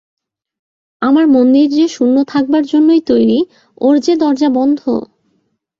আমার মন্দির যে শূন্য থাকবার জন্যেই তৈরি, ওর যে দরজা বন্ধ।